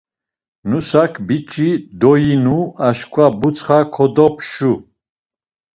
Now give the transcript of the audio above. Nusak biç̌i doyinu, aşǩva butsxa kodopşu.